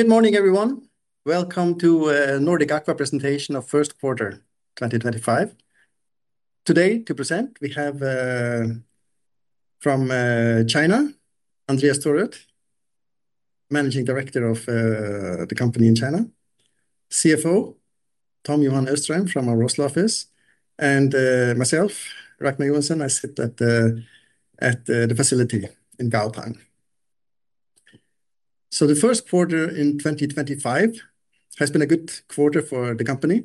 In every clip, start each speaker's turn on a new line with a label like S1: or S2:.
S1: Good morning, everyone. Welcome to the Nordic Aqua Partners' presentation of the first quarter of 2025. Today, to present, we have from China Andreas Thorud, Managing Director of the company in China, CFO om Johan Austrheim from our Oslo office, and myself, Ragnar Joensen, I sit at the facility in Gaotang. The first quarter in 2025 has been a good quarter for the company.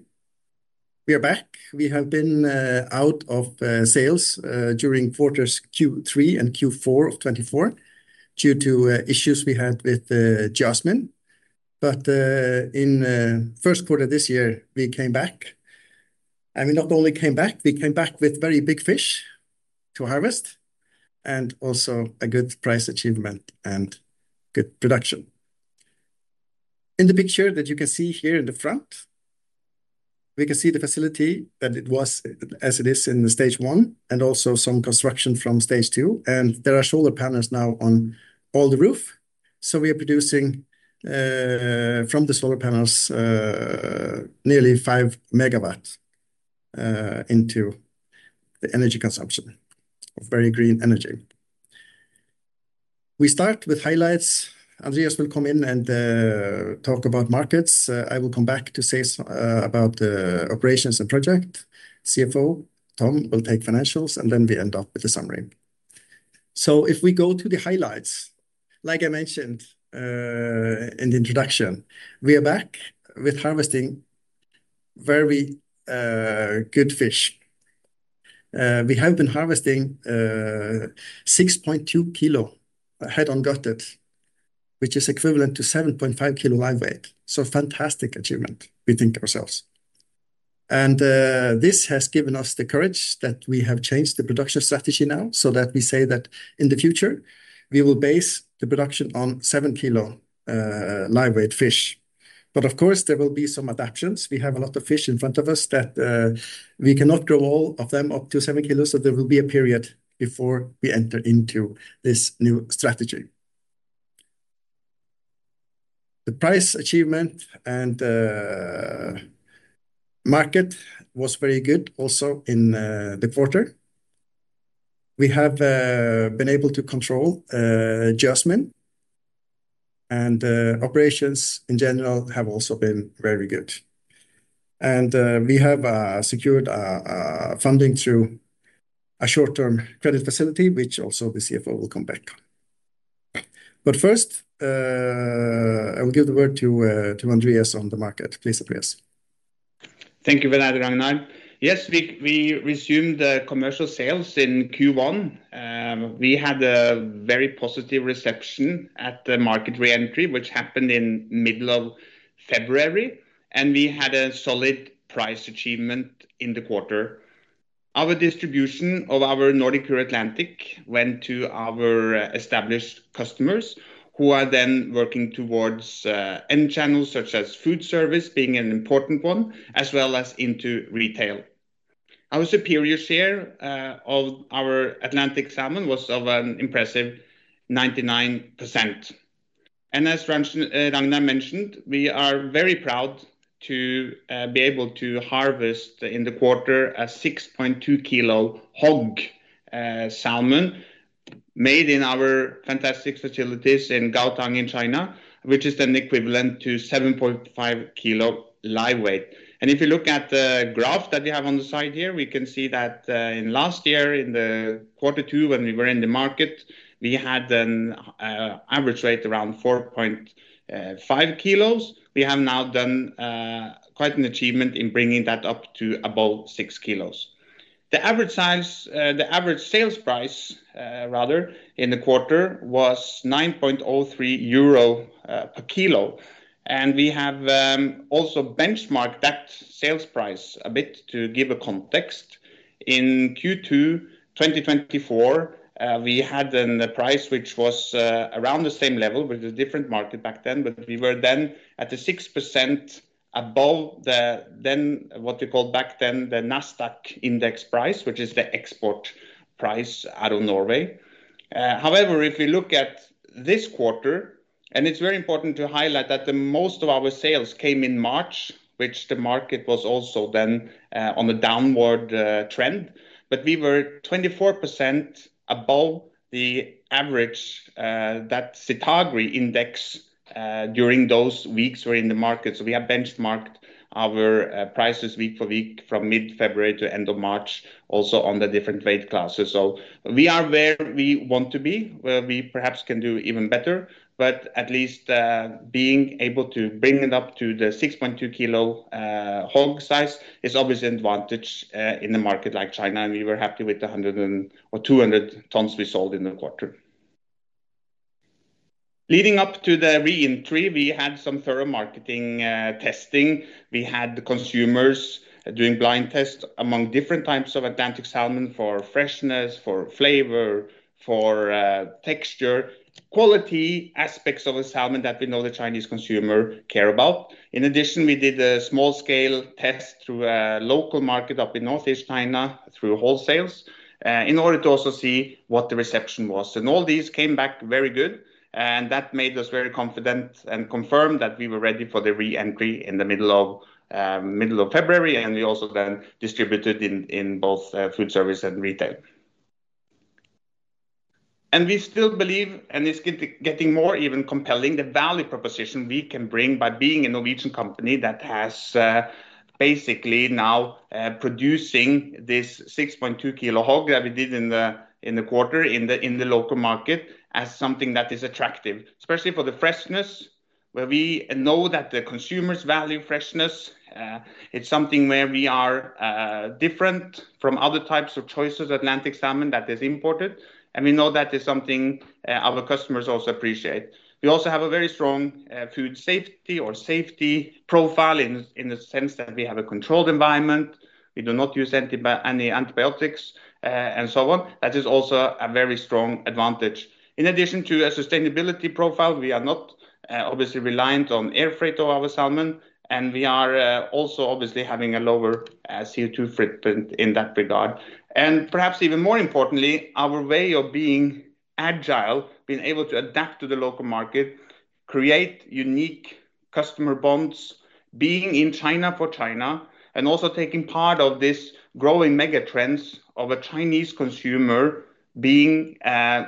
S1: We are back. We have been out of sales during quarters Q3 and Q4 of 2024 due to issues we had with Jasmine. In the first quarter this year, we came back. We not only came back, we came back with very big fish to harvest and also a good price achievement and good production. In the picture that you can see here in the front, we can see the facility that it was as it is in Stage 1 and also some construction from Stage 2. There are solar panels now on all the roof. We are producing from the solar panels nearly 5 MW into the energy consumption of very green energy. We start with highlights. Andreas will come in and talk about markets. I will come back to say about the operations and project. CFO Tom will take financials, and we end up with the summary. If we go to the highlights, like I mentioned in the introduction, we are back with harvesting very good fish. We have been harvesting 6.2 kilo head-on gutted, which is equivalent to 7.5 kilo live weight. Fantastic achievement, we think ourselves. This has given us the courage that we have changed the production strategy now so that we say that in the future, we will base the production on 7 kilo live weight fish. Of course, there will be some adaptations. We have a lot of fish in front of us that we cannot grow all of them up to 7 kilo, so there will be a period before we enter into this new strategy. The price achievement and market was very good also in the quarter. We have been able to control Jasmine, and operations in general have also been very good. We have secured funding through a short-term credit facility, which also the CFO will come back on. First, I will give the word to Andreas on the market. Please appreciate.
S2: Thank you, Ragnar. Yes, we resumed commercial sales in Q1. We had a very positive reception at the market reentry, which happened in the middle of February. We had a solid price achievement in the quarter. Our distribution of our Nordic PureAtlantic went to our established customers who are then working towards end channels such as food service being an important one, as well as into retail. Our superior share of our Atlantic salmon was of an impressive 99%. As Ragnar mentioned, we are very proud to be able to harvest in the quarter a 6.2 kilo head-on gutted salmon made in our fantastic facilities in Gaotang in China, which is then equivalent to 7.5 kilo live weight. If you look at the graph that you have on the side here, we can see that in last year in the quarter two when we were in the market, we had an average weight around 4.5 kilos. We have now done quite an achievement in bringing that up to about 6 kilos. The average sales price rather in the quarter was 9.03 euro per kilo. We have also benchmarked that sales price a bit to give a context. In Q2 2024, we had a price which was around the same level with a different market back then, but we were then at a 6% above the then what we called back then the Nasdaq index price, which is the export price out of Norway. However, if we look at this quarter, and it's very important to highlight that most of our sales came in March, which the market was also then on a downward trend, but we were 24% above the average that Sitagri index during those weeks were in the market. We have benchmarked our prices week for week from mid-February to end of March also on the different weight classes. We are where we want to be, where we perhaps can do even better, but at least being able to bring it up to the 6.2 kilo hog size is obviously an advantage in a market like China. We were happy with the 100 tons or 200 tons we sold in the quarter. Leading up to the reentry, we had some thorough marketing testing. We had consumers doing blind tests among different types of Atlantic salmon for freshness, for flavor, for texture, quality aspects of the salmon that we know the Chinese consumer care about. In addition, we did a small scale test through a local market up in Northeast China through wholesales in order to also see what the reception was. All these came back very good. That made us very confident and confirmed that we were ready for the reentry in the middle of February. We also then distributed in both food service and retail. We still believe, and it is getting even more compelling, the value proposition we can bring by being a Norwegian company that has basically now producing this 6.2 kilo hog that we did in the quarter in the local market as something that is attractive, especially for the freshness, where we know that the consumers value freshness. It is something where we are different from other types of choices, Atlantic salmon that is imported. We know that is something our customers also appreciate. We also have a very strong food safety or safety profile in the sense that we have a controlled environment. We do not use any antibiotics and so on. That is also a very strong advantage. In addition to a sustainability profile, we are not obviously reliant on air freight of our salmon. We are also obviously having a lower CO2 footprint in that regard. Perhaps even more importantly, our way of being agile, being able to adapt to the local market, create unique customer bonds, being in China for China, and also taking part of this growing mega trends of a Chinese consumer being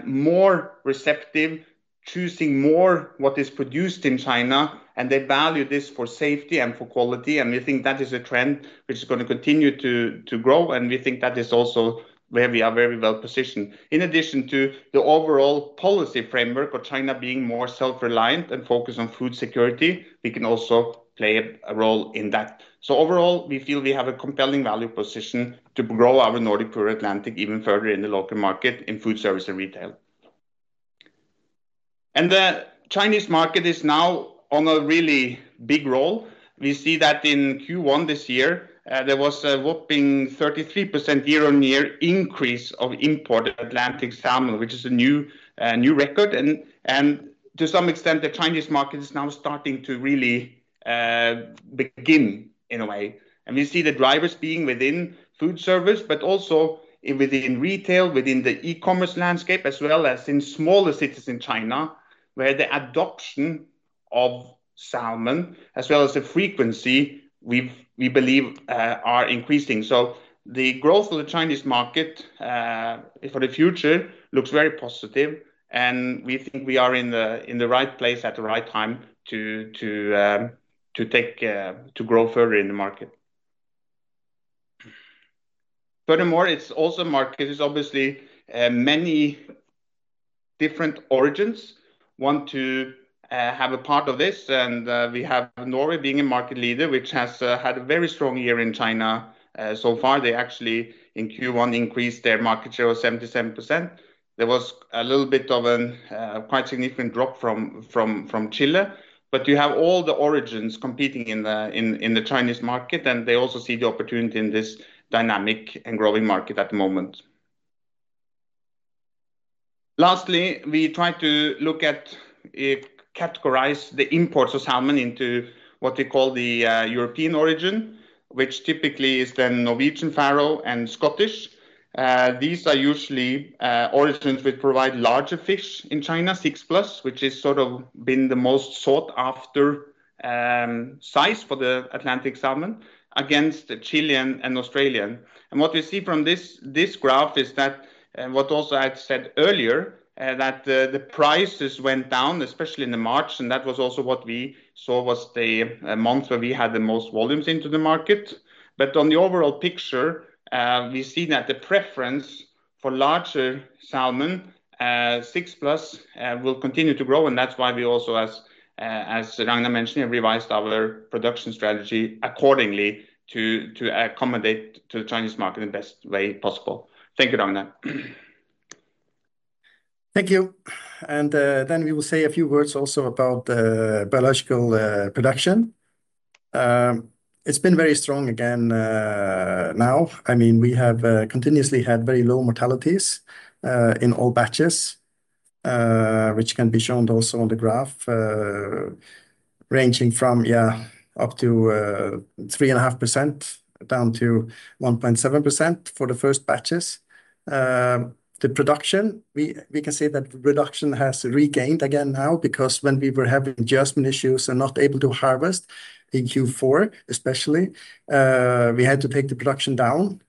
S2: more receptive, choosing more what is produced in China. They value this for safety and for quality. We think that is a trend which is going to continue to grow. We think that is also where we are very well positioned. In addition to the overall policy framework of China being more self-reliant and focused on food security, we can also play a role in that. Overall, we feel we have a compelling value position to grow our Nordic PureAtlantic even further in the local market in food service and retail. The Chinese market is now on a really big role. We see that in Q1 this year, there was a whopping 33% year-on-year increase of imported Atlantic salmon, which is a new record. To some extent, the Chinese market is now starting to really begin in a way. We see the drivers being within food service, but also within retail, within the e-commerce landscape, as well as in smaller cities in China where the adoption of salmon, as well as the frequency, we believe are increasing. The growth of the Chinese market for the future looks very positive. We think we are in the right place at the right time to grow further in the market. Furthermore, the market is obviously many different origins want to have a part of this. We have Norway being a market leader, which has had a very strong year in China so far. They actually in Q1 increased their market share to 77%. There was a little bit of a quite significant drop from Chile. You have all the origins competing in the Chinese market. They also see the opportunity in this dynamic and growing market at the moment. Lastly, we try to look at categorize the imports of salmon into what we call the European origin, which typically is then Norwegian, Faroe, and Scottish. These are usually origins which provide larger fish in China, 6+, which has sort of been the most sought-after size for the Atlantic salmon against Chilean and Australian. What we see from this graph is that what also I had said earlier, that the prices went down, especially in March. That was also what we saw was the month where we had the most volumes into the market. On the overall picture, we see that the preference for larger salmon, 6+, will continue to grow. That is why we also, as Ragnar mentioned, revised our production strategy accordingly to accommodate the Chinese market in the best way possible. Thank you, Ragnar.
S1: Thank you. We will say a few words also about the biological production. It's been very strong again now. I mean, we have continuously had very low mortalities in all batches, which can be shown also on the graph, ranging from up to 3.5% down to 1.7% for the first batches. The production, we can say that production has regained again now because when we were having Jasmine issues and not able to harvest in Q4, especially, we had to take the production down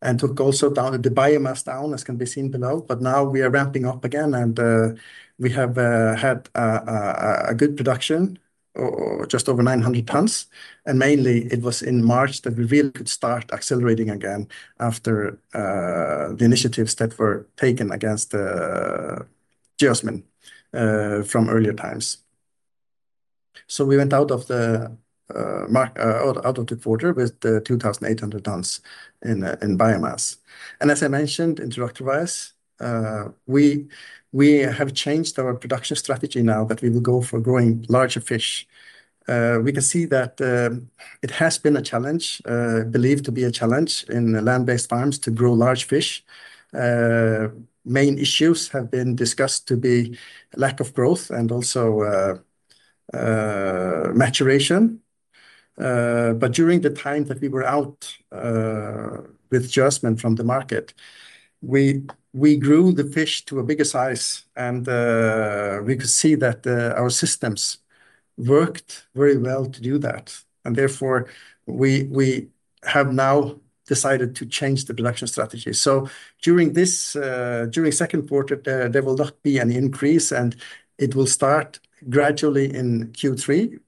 S1: and took also down the biomass, as can be seen below. Now we are ramping up again. We have had a good production, just over 900 tons. Mainly it was in March that we really could start accelerating again after the initiatives that were taken against Jasmine from earlier times. We went out of the quarter with 2,800 tons in biomass. As I mentioned, introductory-wise, we have changed our production strategy now that we will go for growing larger fish. We can see that it has been a challenge, believed to be a challenge in land-based farms to grow large fish. Main issues have been discussed to be lack of growth and also maturation. During the time that we were out with Jasmine from the market, we grew the fish to a bigger size. We could see that our systems worked very well to do that. Therefore, we have now decided to change the production strategy. During this second quarter, there will not be an increase. It will start gradually in Q3.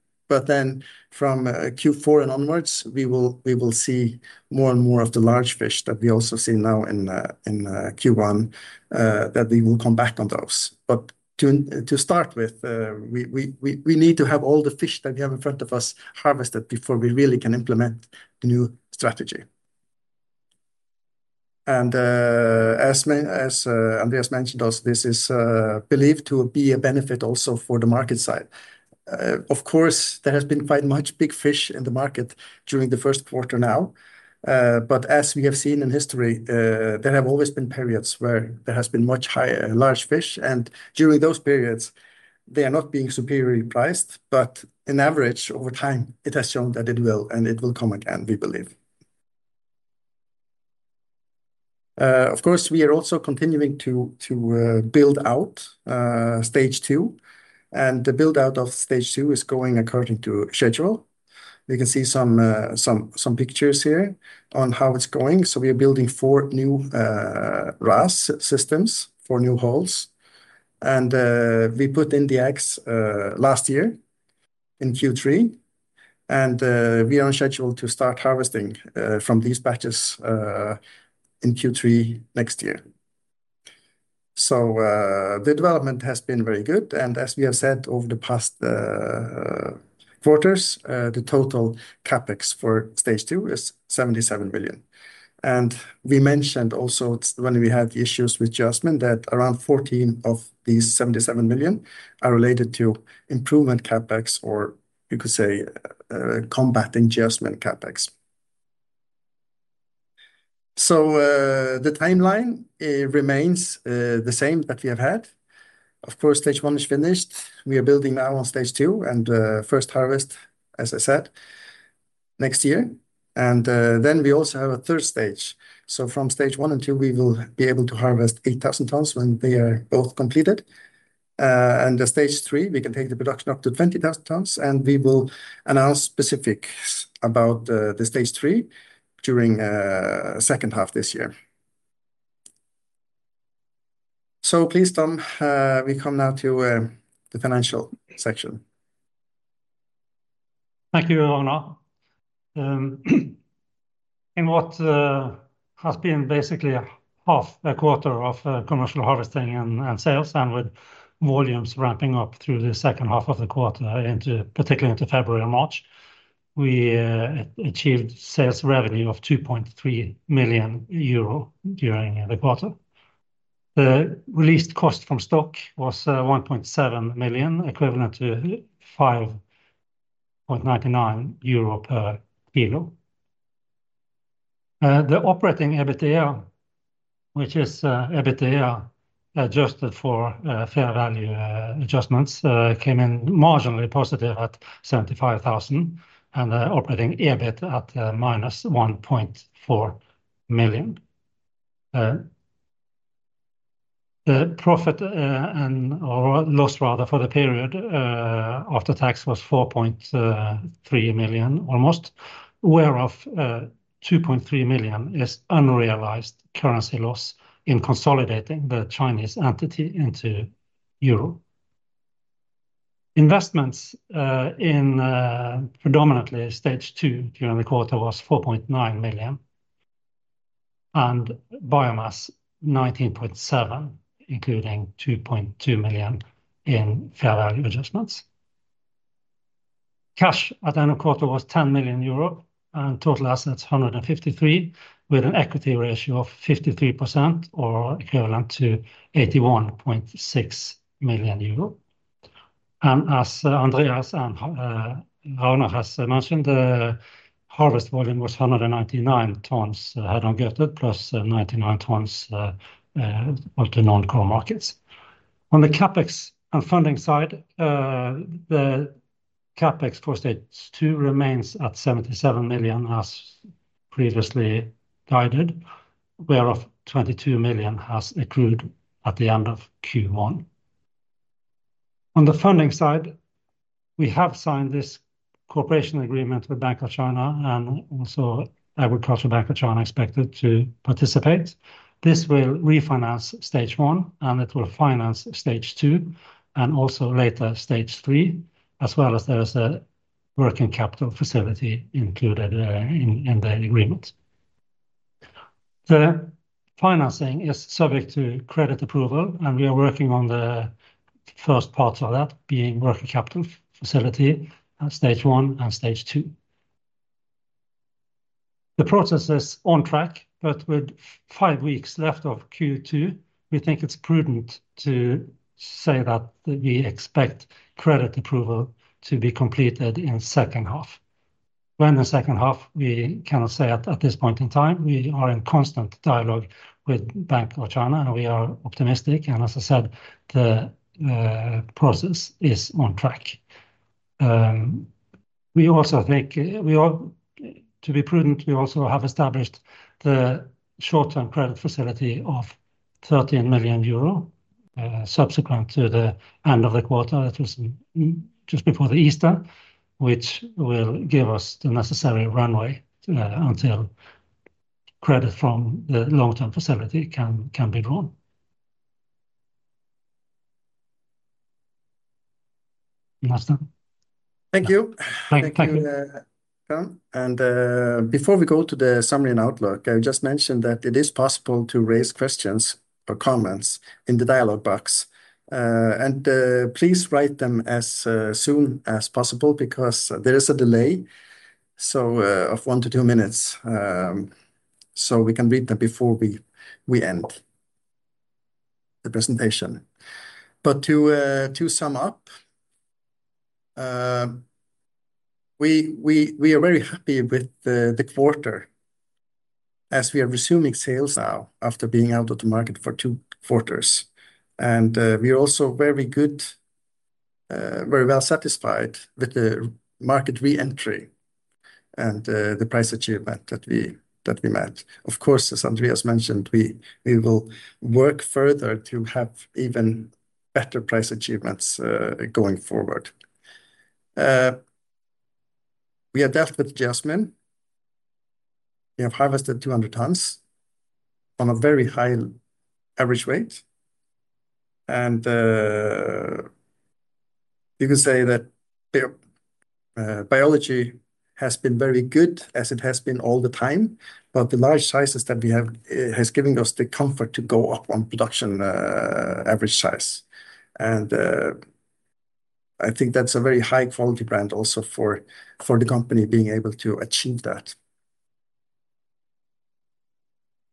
S1: From Q4 and onwards, we will see more and more of the large fish that we also see now in Q1, that we will come back on those. To start with, we need to have all the fish that we have in front of us harvested before we really can implement the new strategy. As Andreas mentioned also, this is believed to be a benefit also for the market side. Of course, there has been quite much big fish in the market during the first quarter now. As we have seen in history, there have always been periods where there has been much higher large fish. During those periods, they are not being superiorly priced. In average, over time, it has shown that it will, and it will come again, we believe. We are also continuing to build out Stage 2. The buildout of Stage 2 is going according to schedule. You can see some pictures here on how it is going. We are building four new RAS systems, four new halls. We put in the eggs last year in Q3. We are on schedule to start harvesting from these batches in Q3 next year. The development has been very good. As we have said over the past quarters, the total CapEx for Stage 2 is 77 million. We mentioned also when we had the issues with Jasmine that around 14 million of these 77 million are related to improvement CapEx or you could say combating Jasmine CapEx. The timeline remains the same that we have had. Of course, Stage 1 is finished. We are building now on Stage 2 and first harvest, as I said, next year. We also have a third stage. From Stage 1 until, we will be able to harvest 8,000 tons when they are both completed. Stage 3, we can take the production up to 20,000 tons. We will announce specifics about the Stage 3 during the second half this year. Please, Tom, we come now to the financial section.
S3: Thank you, Ragnar. In what has been basically half a quarter of commercial harvesting and sales and with volumes ramping up through the second half of the quarter, particularly into February and March, we achieved sales revenue of 2.3 million euro during the quarter. The released cost from stock was 1.7 million, equivalent to 5.99 euro per kilo. The operating EBITDA, which is EBITDA adjusted for fair value adjustments, came in marginally positive at 75,000 and operating EBIT at -1.4 million. The profit and loss, rather, for the period after tax was 4.3 million almost, whereof 2.3 million is unrealized currency loss in consolidating the Chinese entity into euro. Investments in predominantly Stage 2 during the quarter was 4.9 million and biomass 19.7 million, including 2.2 million in fair value adjustments. Cash at the end of quarter was 10 million euro and total assets 153 million, with an equity ratio of 53% or equivalent to 81.6 million euro. As Andreas and Ragnar have mentioned, the harvest volume was 199 tons head-on gutted +99 tons of the non-core markets. On the CapEx and funding side, the CapEx for Stage 2 remains at 77 million as previously guided, whereof 22 million has accrued at the end of Q1. On the funding side, we have signed this cooperation agreement with Bank of China and also Agricultural Bank of China expected to participate. This will refinance Stage 1 and it will finance Stage 2 and also later Stage 3, as well as there is a working capital facility included in the agreement. The financing is subject to credit approval and we are working on the first part of that being working capital facility, Stage 1 and Stage 2. The process is on track, but with five weeks left of Q2, we think it's prudent to say that we expect credit approval to be completed in the second half. When the second half, we cannot say at this point in time, we are in constant dialogue with Bank of China and we are optimistic. As I said, the process is on track. We also think to be prudent, we also have established the short-term credit facility of 13 million euro subsequent to the end of the quarter, that was just before the Easter, which will give us the necessary runway until credit from the long-term facility can be drawn. Thank you.
S1: Thank you, Tom. Before we go to the summary and outlook, I just mentioned that it is possible to raise questions or comments in the dialogue box. Please write them as soon as possible because there is a delay of one to two minutes so we can read them before we end the presentation. To sum up, we are very happy with the quarter as we are resuming sales now after being out of the market for two quarters. We are also very well satisfied with the market re-entry and the price achievement that we met. Of course, as Andreas mentioned, we will work further to have even better price achievements going forward. We are dealt with Jasmine. We have harvested 200 tons on a very high average weight. You could say that biology has been very good as it has been all the time. The large sizes that we have has given us the comfort to go up on production average size. I think that is a very high-quality brand also for the company being able to achieve that.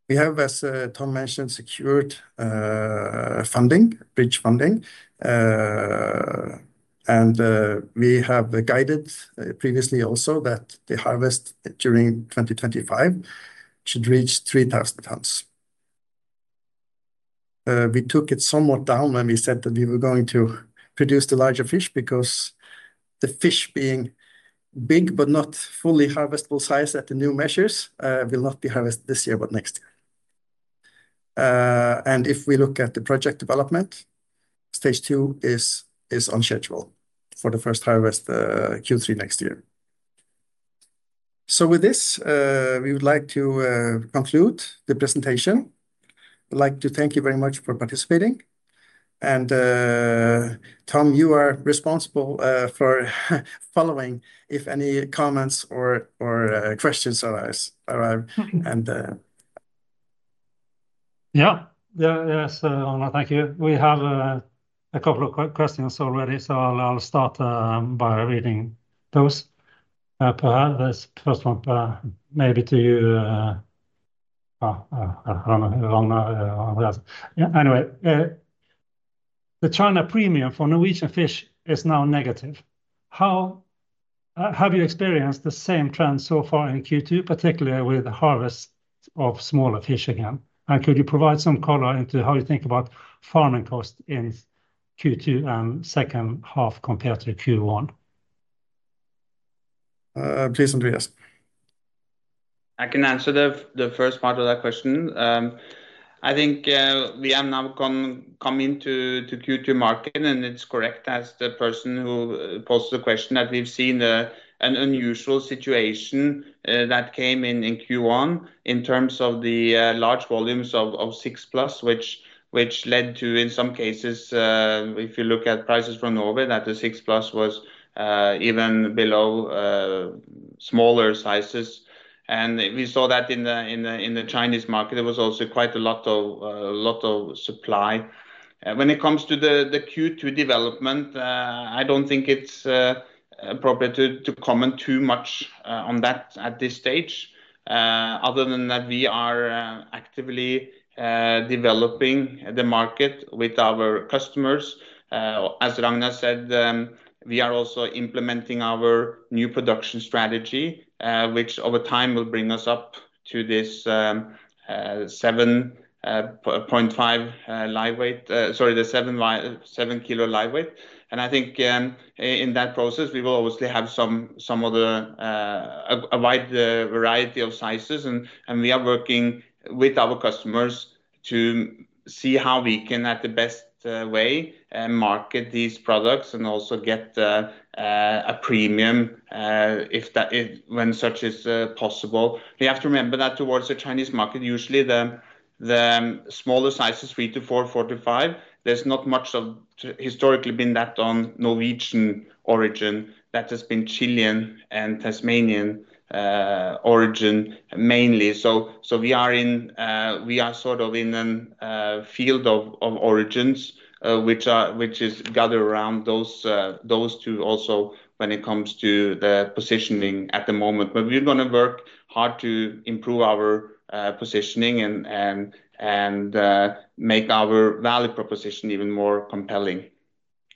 S1: We have, as Tom mentioned, secured funding, bridge funding. We have guided previously also that the harvest during 2025 should reach 3,000 tons. We took it somewhat down when we said that we were going to produce the larger fish because the fish being big, but not fully harvestable size at the new measures will not be harvested this year, but next year. If we look at the project development, Stage 2 is on schedule for the first harvest Q3 next year. With this, we would like to conclude the presentation. I'd like to thank you very much for participating. Tom, you are responsible for following if any comments or questions arise.
S3: Yeah, yes, Ragnar, thank you. We have a couple of questions already, so I'll start by reading those. This first one, maybe to you. I don't know who, Ragnar or Andreas. Anyway, the China premium for Norwegian fish is now negative. Have you experienced the same trend so far in Q2, particularly with the harvest of smaller fish again? Could you provide some color into how you think about farming costs in Q2 and second half compared to Q1?
S1: Please, Andreas.
S2: I can answer the first part of that question. I think we have now come into Q2 market, and it's correct as the person who posed the question that we've seen an unusual situation that came in Q1 in terms of the large volumes of six plus, which led to, in some cases, if you look at prices from Norway, that the 6+ was even below smaller sizes. We saw that in the Chinese market, there was also quite a lot of supply. When it comes to the Q2 development, I don't think it's appropriate to comment too much on that at this stage. Other than that, we are actively developing the market with our customers. As Ragnar said, we are also implementing our new production strategy, which over time will bring us up to this 7.5 live weight, sorry, the 7 kilo live weight. I think in that process, we will obviously have some other wide variety of sizes. We are working with our customers to see how we can, in the best way, market these products and also get a premium when such is possible. We have to remember that towards the Chinese market, usually the smaller sizes, three to four, four to five, there has not much historically been that on Norwegian origin. That has been Chilean and Tasmanian origin mainly. We are sort of in a field of origins, which is gathered around those two also when it comes to the positioning at the moment. We are going to work hard to improve our positioning and make our value proposition even more compelling.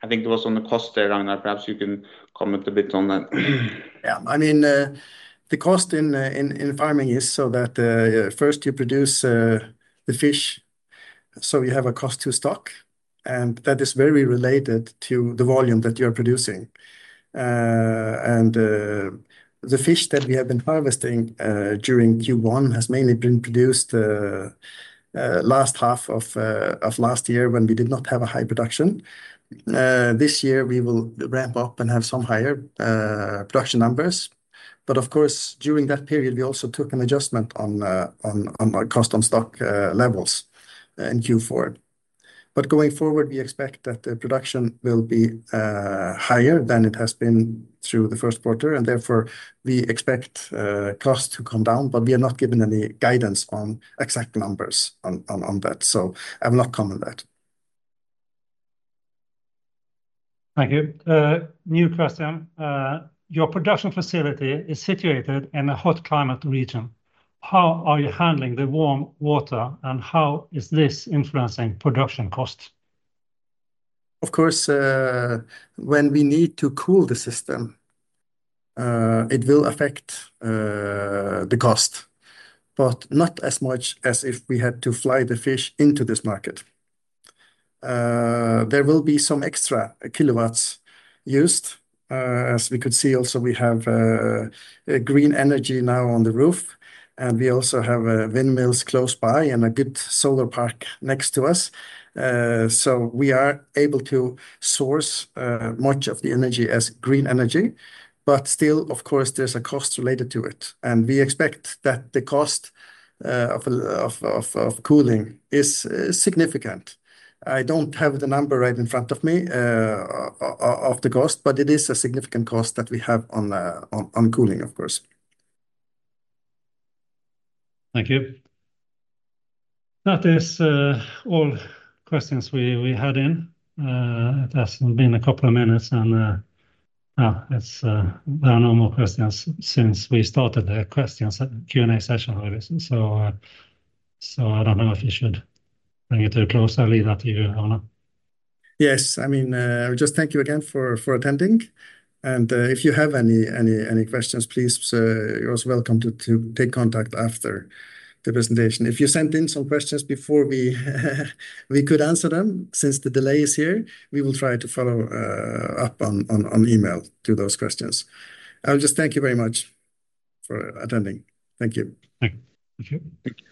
S2: I think it was on the cost there, Ragnar, perhaps you can comment a bit on that.
S1: Yeah, I mean, the cost in farming is so that first you produce the fish, so you have a cost to stock, and that is very related to the volume that you are producing. The fish that we have been harvesting during Q1 has mainly been produced last half of last year when we did not have a high production. This year, we will ramp up and have some higher production numbers. Of course, during that period, we also took an adjustment on our cost on stock levels in Q4. Going forward, we expect that the production will be higher than it has been through the first quarter. Therefore, we expect costs to come down, but we are not giving any guidance on exact numbers on that. I will not comment on that.
S3: Thank you. New question. Your production facility is situated in a hot climate region. How are you handling the warm water and how is this influencing production costs?
S1: Of course, when we need to cool the system, it will affect the cost, but not as much as if we had to fly the fish into this market. There will be some extra kilowatts used. As we could see also, we have green energy now on the roof, and we also have windmills close by and a good solar park next to us. We are able to source much of the energy as green energy. Of course, there is a cost related to it. We expect that the cost of cooling is significant. I do not have the number right in front of me of the cost, but it is a significant cost that we have on cooling, of course.
S3: Thank you. That is all questions we had in. It has been a couple of minutes, and now there are no more questions since we started the questions Q&A session, obviously. I do not know if you should bring it to a close. I'll leave that to you, Ragnar.
S1: Yes, I mean, I would just thank you again for attending. If you have any questions, please, you are also welcome to take contact after the presentation. If you sent in some questions before we could answer them, since the delay is here, we will try to follow up on email to those questions. I would just thank you very much for attending. Thank you. Thank you.